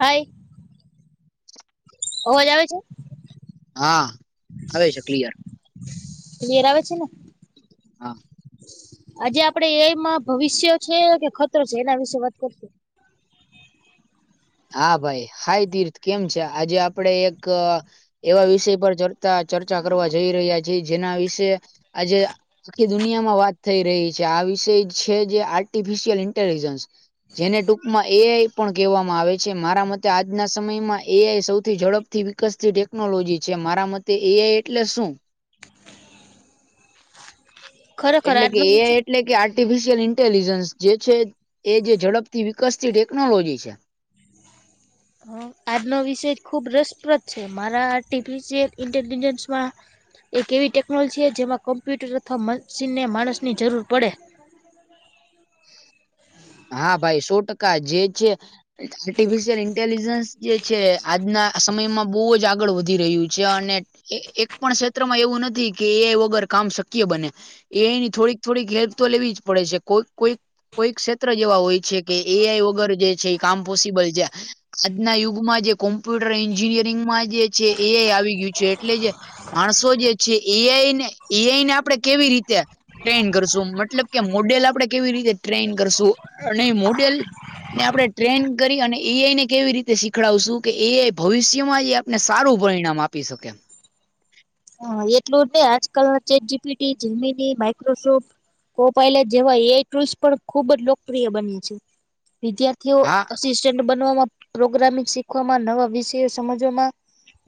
હાય અવાજ આવે છે? હા આવે છે ક્લીયર. ક્લીયર આવે છે ને? હા. આજે આપડે એ આઈ માં ભવિષ્ય છે કે ખતરો છે એના વિશે વાત કરશુ હા ભાઈ હાઈ તીર્થ કેમ છે આજે આપડે એક એવા વિષય પર ચ ચા ચર્ચા કરવા જઈ રહ્યા છે જેના વિશે આજે આખી દુનિયામાં વાત થઈ રહી છે આ વિષય છે જે આર્ટિફિશિયલ ઇન્ટેલિજન્સ જેને ટૂંકમાં એ આઈ પણ કેહવામાં આવે છે મારા મતે આજના સમયમાં એ આઈ સૌથી ઝડપથી વિકસતી ટેકનોલોજી છે મારા મત તે એ આઈ એટલે શું? ખરેખર એટલે કે આજનો એ વિષય આઈ એટલે કે આ ર્ટિફિશયલ ઇન્ટેલિજન્સ જે છે એ જે ઝડપથી વિકસતી ટેકનોલોજી છે. હા આજનો વિષય જ ખુબ રસપ્રદ છે મારા આર્ટિફિશયલ ઇન્ટેલજન્સમાં એક એવી ટેકનોલોજી છે જેમાં કમ્પ્યુટર અથવા મન્શીનને માણસની જરૂર પડે. હા ભાઈ સો ટકા જે છે આર્ટિફિશિયલ ઇન્ટેલિજન્સ જે છે આજના સમયમાં બઉ જ આગળ વધી રહ્યું છે અને એક એક પણ ક્ષેત્રમાં એવું નથી કે એ આઈ વગર કામ શક્ય બને. એ આઈ ની થોડીક થોડીક હેલ્પ તો લેવી જ પડે છે કોઈક કોઈક કોઈક ક્ષેત્ ત્ર જ એવા હોય છે કે એ આઈ વગર જે છે એ કામ પોસિબલ જા આજના યુગમાં જે કોમ્પ્યુટર એન્જિનિયરિંગમાં જે છે એ આઈ આવી ગયું છે એટલે જે માણસો જે છે એ આઈને એ આઈને આપણે કેવી રીતે ટ્રેઈન કરશું મતલબ કે મોડેલ આપડે કેવી રીતે ટ્રેઈન કરશું અને મોડેલ ને આપણે ટ્રેઈન કરી અને એ આઈ ને કેવી રીતે શીખડાવશું કે એ આઈ ભવિષ્યમાં જે આપ ને સારું પરિણામ આપી શકે હાં એટલું જ નઈ આજકાલ chat G P T G P T Microsoft કોપાયલે જેવા એ આઈ ટૂલ્સ પણ ખુબ જ લોકપ્રિય બને છે વિદ્યાર્થીઓ હા અસિસ્ટંટ બનવામાં પ્રોગ્રામિંગ શીખવામાં નવા વિષયો સમજવામાં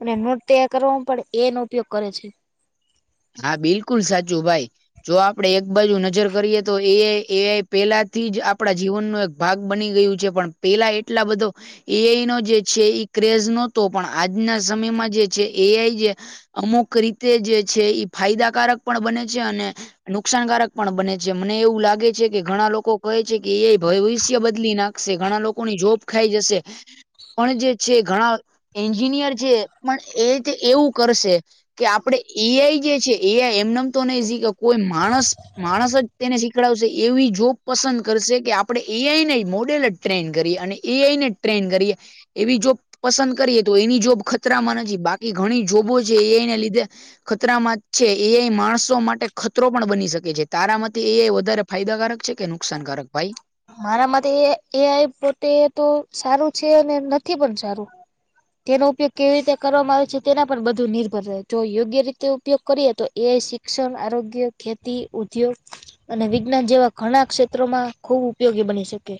અને નોટ તૈયાર કરવામાં પણ એ આઈ નો ઉપયોગ કરે છે. હા બિલકુલ સાચું ભાઈ. જો આપડે એક બાજુ નજર કરીએ તો એ આઈ એ આઈ પેલા થી જ આપડા જીવનનો એક ભાગ બની ગયું છે પણ પેલા એટલા બધો એ આઈ નો જે છે ઈ ક્રેઝ નહતો પણ આજના સમયમાં જે છે એ આઈ જે અમુક રીતે જે છે ઈ ફાયદાકારક પણ બને છે અને નુકસાનકારક પણ બને છે મને એવું લાગે છે કે ઘણા લોકો કહે છે કે એ આઈ ભવિષ્ય બદલી ના ખશે ઘણા લોકોની જોબ ખાઈ જશે પણ જે છે ઘણા એન્જિનિયર છે પણ એ તે એવું કરશે કે આપડે એ આઈ જે છે એ આઈ એમનેમ તો નઈ સીખે કોઈ માણસ માણસ જ તેને શીખડાવશે એવી જોબ પસંદ કરશે કે આપડે એ આઈ નઈ મોડલ જ ટ્રેેન કરીએ અને એ આઈને ટ્રેઈન કરીએ એવી જો પસંદ કરીએ તો એની જોબ ખતરામાં નથી બાકી ઘણી જોબો છે એ આઈ ને લીધે ખતરામાં જ છે એ આઈ માણસો માટે ખતરો પણ બની શકે છે તારા મતે એ આઈ વધારે ફાયદાકારક છે કે નુકસાનકારક ભાઈ મારા માટે એ એ આઈ પોતે તો સારું છે, અને નથી પણ સારું. તેનો ઉપયોગ કેવી રીતે કરવામાં આવે છે, તેના પર બધું નિર્ભર રહે. જો યોગ્ય રીતે ઉપયોગ કરીએ તો એ આઈ શિ ક્ષન, આરોગ્ય, ખેતી, ઉદ્યોગ અને વિજ્ઞાન જેવા ઘણા ક્ષેત્રોમાં ખૂબ ઉપ પયોગી બની શકે.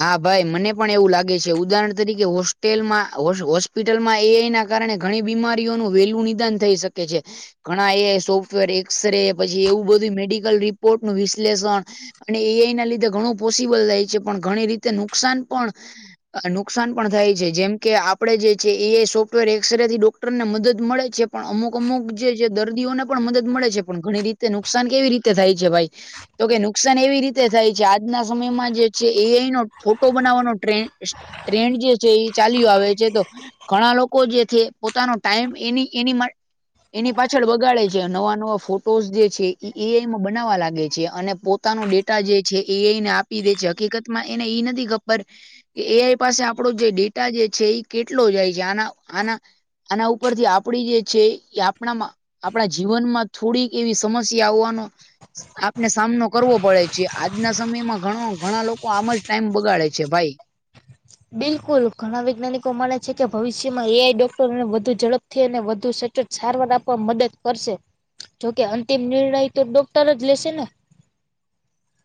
હા ભાઈ મને પણ એવું લાગે છે. ઉદાહરણ તરીકે હોસ્ટેલમાં હો હોસ હોસ્પિટલમાં એ આઈ ના કારણે ઘણી બીમારીઓનું વહેલું નિદાન થઈ શકે છે. ઘણા એ આઈ સોફ્ટવેર, એક્સ-રે, પછી એવું બધું મેડિકલ રિપોર્ટનું વિશ્લેષણ અને એ આઈ ના લીધે ઘણું પોસિબલ થાય છે. પણ ઘણી રીતે નુકસાન પણ અહ નુકસાન પણ થાય છે. જેમ કે આપણે જે છે એ આઈ સોફ્ટવેર એક્સ-રેથી ડોક ક્ટરને મદદ મળે છે. પણ અમુક-અમુક જે-જે દર્દીઓને પણ મદદ મળે છે. પણ ઘણી રીત તે નુકસાન કેવી રીતે થાય છે ભાઈ? તો કે નુકસાન એવી રીતે થાય છે, આજના સમયમાં જે છે એ આઈ નો ફોટો બનાવવાનો ટ્રેન્ડ સ ટ્રેન્ડ જે છે ઈ ચાલ્યો આવે છે તો ઘણા લોકો જે છે પોતાનો ટાઈમ એની-એની માટ એની પાછળ બગાડે છે. નવા-નવા ફોટોઝ જે છે ઈ એ આઈમાં બનાવવા લાગે છે. અને પોત પોતાનો ડેટા જે છે એ આઈને આપી દે છે. હકીકત માં એને ઈ નથી ખબર કે એ આઈ પાસે આપણો જે ડેટા જે છે ઈ કેટલો જાય છે. આના-આના આના ઉપરથી આપણી જે છે ઇ આપણામાં આપણા જીવનમાં થોડીક એવી સમસ્યા હોવાનો આપને સામનો કરવો પડે છે. આજના સમયમાં ઘણો ઘણા લોકો આમ જ ટાઈમ બગાડે છે ભાઈ. બિલકુલ. ઘણા વૈજ્ઞાનિકો માને છે કે ભવિષ્યમાં એ આઈ ડોક્ટરોને વધુ ઝડપ થી અને વધુ સચોટ સારવાર આપવામ મદદ કરશે. જોકે અંતિમ નિર્ણય તો ડોક્ટર જ લેશે ને.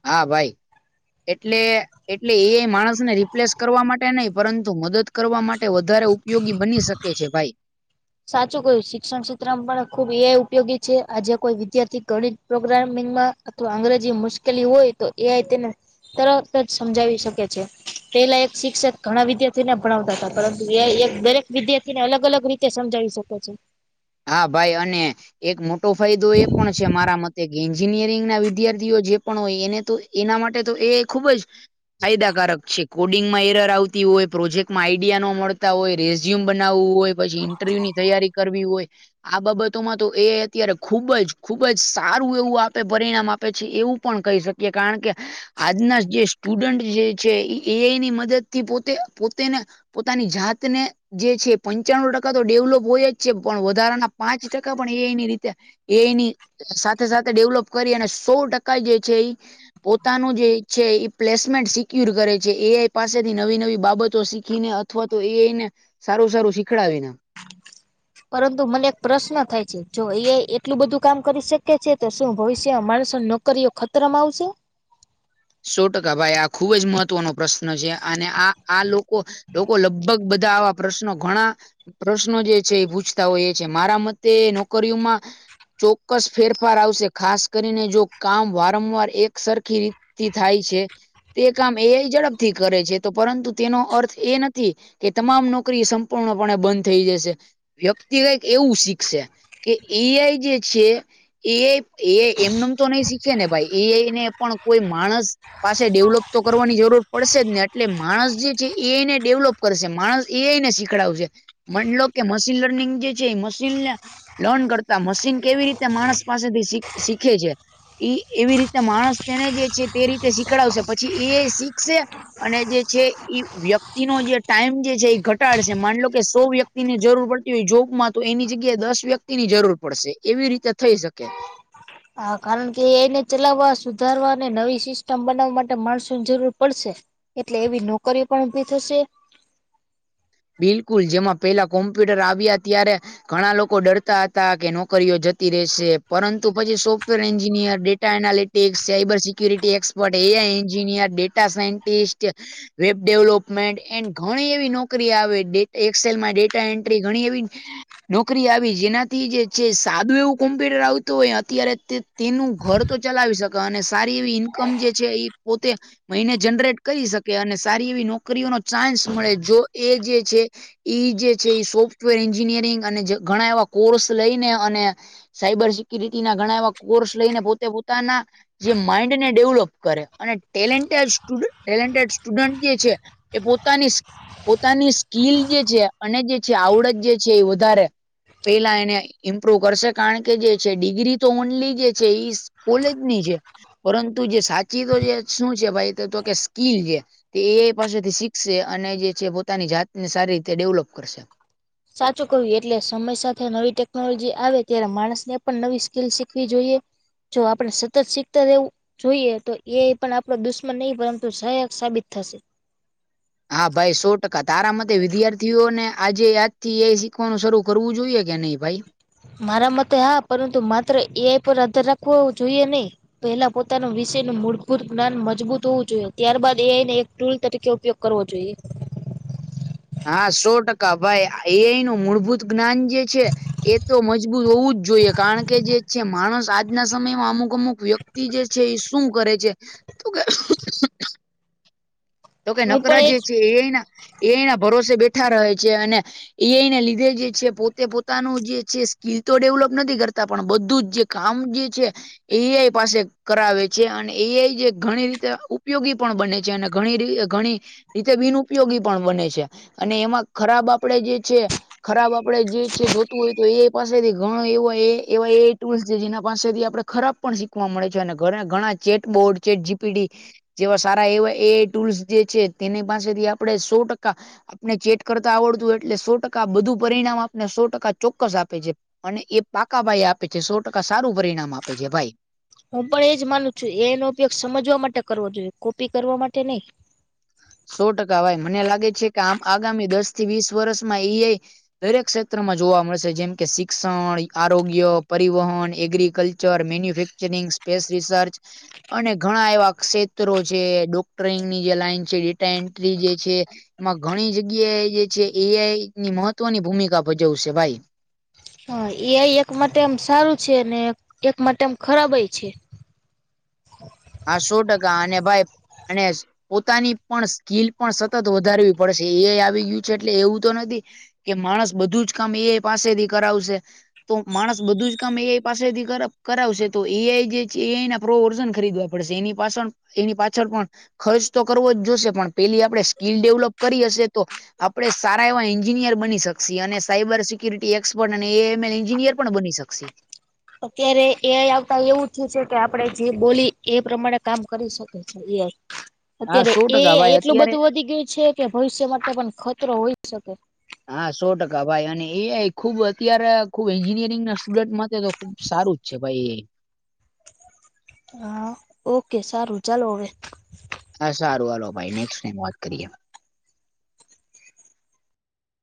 હા ભાઈ. એટલે-એટલે એ માણસ ને રિપ્લેસ કરવા માટે નહીં, પરંતુ મદદ કરવા માટે વધારે ઉપયોગી બની શકે છે ભાઈ. સાચું કહ્યું. શિક્ષણ ક્ષેત્રમાં પણ ખુબ એ આઈ ઉપયોગી છે. આજે કોઈ વિદ્યાર્થી ગણિત પ્રોગ્રામિંગમાં અથવા અંગ્રેજી મુશ્કેલી હોય તો એ આઈ તેને તરત જ સમજાવી શકે છે. પહેલા એક શિક્ષક ઘણા વિદ્યાર્થીઓને ભણાવતા હતા. પરંતુ એ આઈ એક દરેક વિદ્યાર્થીને અલગ-અલગ રીત તે સમજાવી શકે છે. હા ભાઈ. અને એક મોટો ફાયદો એ પણ છે મારા મતે એન્જિનિયરિંગ ના વિદ્યાર્થીઓ જે પણ હોય એને તો એના માટે તો એ આઈ ખુબ જ ફાયદાકારક છે. કોડિંગમાં એરર આવતી હોય, પ્રોજેક્ટમાં આઈડિયા ન મળતા હોય, રેઝ્યુમ બનાવવું હોય, પછી ઇન્ટરવ્યુ ની તૈયારી કરવી હોય આ બાબતોમાં તો એ આઈ અત્યારે ખુબ જ, ખુબ જ સારું એવું આપે પરિણામ આપે છે. એવું પણ કહી શકીએ. કારણ કે આજના જે સ્ટુડન્ટ જે છે ઈ એ આઈ ની મદદ થી પોતે-પોતેને પોતાની જાતને જે છે એ પંચાણું ટકા તો ડેવલોપ હોય જ છે. પણ વધ ધારાના પાંચ ટકા પણ એ આઈ ની રીતે, એ આઈની સાથે-સાથે ડેવલોપ કરી, અને સો ટકા જે છે ઈ પોતાનું જે ઈ છે ઈ પ્લેસમેન્ટ સિક્યુર કરે છે. એ આઈ પાસેથી નવી-નવી બાબતો શીખીને અથ અથવા તો એ આઈને સારું-સારું શીખવાડીને. પરંતુ મને એક પ્રશ્ન થાય છે. જો એ આઈ એટલું બધું કામ કરી શકે છે કે? તો શું ભવિષ્યમાં માણસોની નોક કરીઓ ખતરામાં આવશે? સો ટકા ભાઈ. આ ખુબ જ મહત્વનો પ્રશ્ન છે. અને આ-આ લોકો લોકો લગભગ બધા આવા પ્રશ્નો ઘણા પ્રશ્નો જે છે એ પૂછતા હોય એ છે મારા મતે નોકરીઓમાં ચોક્કસ ફેરફાર આવશે ખાસ કરીને જો કામ વારંવાર એક સરખી રી થી થાય છે તે કામ એ ઝડપથી કરે છે તો પરંતુ તેનો અર્થ એ નથી. કે તમામ નોકરી સંપૂર્ણપણે બંધ થઈ જશે. વ્યક્તિગત એવું શીખશે કે એઆઈ જે છે. એ એ એમનેમ તો નહી શીખે ને ભાઈ એ એને પણ કોઈ માણસ. પાસે ડેવલપ તો કરવાની જરૂર પડશે જ ને એટલે માણસ જે છે એને ડેવલપ. કરશે માણસ એને શીખડાવશે મ લો કે મશીન લર્નિંગ જે છે એ મશીનને. લર્ન કરતા મશીન કેવી રીતે માણસ પાસેથી શીખે છે. એ એવી રીતે માણસ તેને જે છે તે રીતે શીખડાવશે પછી એ શીખશે. અને જે છે એઈ વ્યક્તિ નો જે ટાઈમ જે છે એ ઘટાડશે માનલો કે સો વ્યક્તિ વની જરૂર પડતી હોય જોગમાં તો એની જગ્યાએ દસ વ્યક્તિ ની જરૂર પડશે એવી રીતે થઈ શકે. હા કારણ કે એને ચલાવવા સુધારવા અને નવી સિસ્ટમ બનાવવા માટે માણસો ની જરૂર પડશે. એટલે એવી નોકરીઓ પણ ઉભી થશે. બિલકુલ જેમાં પેલા કોમ્પ્યુટર આવ્યા. ઘણા લોકો ડરતા હતા નોકરીઓ જતી રહેશે પરંતુ પછી software data analytics cyber security expert AI engineer data scientist web development and ઘણી એવી નોક પ્રક્રિયા આવે એક્સેલમાં ડેટા એન્ટ્રી ઘણી એવી નોકરી આવી જેનાથી જે છે સાદું એવું કોમ્પ્યુટર આવતું હોય અત્યારે તે તેનું ઘર તો ચલાવી શકે અને સારી એવી ઈન્કમ જે છે એ પોતે મહિને જનરેટ કરી શકે અને સારી એવી નોકરીઓનો ચાન્સ મળે જો એ જે છે. ઈ જે છે એ સોફ્ટવેર એન્જિનિયરિંગ અને ઘણા એવા કોર્સ લઈને અને સાયબર સિક્યુરિટી ના ઘણા એવા કોર્સ લઈને પોતે પોતાના જે માઇન્ડને ડેવલોપ કરે અને ટેલેન્ટેડ્ટ ટેલેન્ટેડ સ્ટુડન્ટ જે છે. એ પોતાની પોતાની સ્કીિલ જે છે અને જે છે આવડત જે છે એ વધારે. પેલા એને ઇમ્પ્રુવ કરશે કારણ કે જે છે ડિગ્રી તો ઓનલી જે છે. કોલેજની છે પરંતુ જે સાચી તો જે શું છે ભાઈ તો કે સ્કીલ છે. તે એ પાસેથી શીખશે અને જે છે પોતાની જાતને સારી રીતે ડેવલપ કરશે. સાચું કરવું એટલે સમય સાથે નવી ટેકનોલોજી આવે ત્યારે માણસને પણ નવી સ્કલ શીખવી જોઈએ. જો આપડણે સતત શીખતા રહેવું. જોઈએ તો એ પણ આપડો દુશ્મન નહી પરંતુ સહાયક સાબિત થશે. હા ભાઈ સો ટકા તારા મતે વિદ્યાર્થીઓને આજે આજ થી એ શીખવાનું શરૂ કરવું જોઈએ કે નહી ભાઈ? મારા મતે હા પરંતુ માત્ર એ આઈ પર આધાર જોઈએ નહીં. પેલા પોતાનો વિષય ન મૂળભૂત જ્ઞાન મજબૂત હોવું જોઈએ ત્યારબાદ એને એક ટૂલ તરીકે ઉપયોગ કરવો જોઈએ. હા સો ટકા ભાઈ એનું મૂળભૂત જ્ઞાન જે છે. એ તો મજબૂત હોવું જ જોઈએ કારણ કે જે છે માણસ આજના સમયમાં અમુક અમુક વ્યક્તિ જે છે એ શું કરે છે તો કે તો કે હું પણ નકરા એજ જે છે એ અના એ અના ભરોસે બેઠા રહે છે અને એને લીધે જે છે પોતે પોતાનું જે છે સ્કીલ તો ડેવલપ નથી કરતા પણ બધું જ કામ જે છે. એઆઈ પાસે કરાવે છે અને એઆઈ જે ઘણી રીતે ઉપયોગી પણ બને છે અને ઘણી રી ઘણી રીતે બિન ઉપયોગી પણ બને છે અને એમાં ખરાબ આપડે જે છે. ખરાબ આપડે જે છે જોતું હોય તો એ પાસેથી ઘણો એવો એ એવા એ ટૂલ્સ છે જેના પાસેથી આપણે ખરાબ પણ શીખવા મળે છે અને ઘરે ઘણા ચેટ બોર્ડ ચેટ જીપીટી જેવા સારા એવા એ ટૂલ્સ જે છે તેની પાસેથી આપણે સો ટકા આપણે ચેટ કરતા આવડતું એટલે સો ટકા બધું પરિણામ આપને સો ટકા ચોક્કસ આપે છે. અને એ પાકા ભાઈ આપે છે, સો ટકા સારું પરિણામ આપે છે ભાઈ. હું પણ એજ માનું છું એનો ઉપયોગ સમજવા માટે કરવો જોઈએ કોપી કરવા માટે નહી. સો ટકા વાય મને લાગે છે કે આમ આગામી દસ થી વીસ વર્ષમાં એઆઈ દરેક ક્ષેત્રમાં જોવા મળશે જેમ કે શિક્ષણ, આરોગ્ય, પરિવહન, agriculture, manufacturing, space research અને ઘણા એવા ક્ષેત્રો છે, ડોક્ટરંગની જે લાઈન છે. ટેન્ટ્રી જે છે. એમાં ઘણી જગ્યા એ જે છે એઆઈની મહત્વની ભૂમિકા ભજવશે ભાઈ. હા એઆઈ એક માટે આમ સારું છે ને એક માટે આમ ખરાબે ય છે. હા સો ટકા અને ભાઈ ગણેશ પોતાની પણ સ્કીલ પણ સતત વધારવી પડશે એઆઈ આવી ગયું છે એટલે એવું તો નથી. કે માણસ બધું જ કામ એઆઇ પાસેથી કરાવશે. તો માણસ બધું જ કામ એઆઈ પાસેથી કર કરાવશે તો એઆઈ જે છે એઆઈના પ્રો વર્ઝન ખરીદવા પડશે. એની પાછળ એની પાછળ પણ ખર્ચ તો કરવો જ જોશે પણ પેલી આપણે સ્કીલ ડેવલોપ કરી હશે તો આપણેે સારા એવા એન્જિનિયર બની શકશી અને સાયબર સિક્યુરિટી એક્સપર્ટ અને એએમાઇ એન્જિનિયર પણ બની શકશે. અત્યારે એ આઈ આવતા એવું થ્યુ છે કે આપણે જે બોલી એ પ્રમાણે કામ કરી શકી. એ આઈ હા અત્યારે સો ટકા એ આઈ ભાઈ એટલું અત્યારે બધું વધી ગયું છે કે ભવિષ્ય માટે પણ ખતરો હોઈ જ શકે. હા સો ટકા ભાઈ અને એ આઈ ખુબ અત્યારે ખુબ એન્જિનિયરિંગ ના સ્ટુડન્ટ માટે તો સારું જ છે ભાઈ એ આઈ હા ઓકે સારું ચલો હવે હા સારું હાલો ભાઈ નેક્સ્ટ ટાઈમ વાત કરીએ.